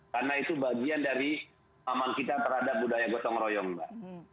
karena itu bagian dari aman kita terhadap budaya gotong royong mbak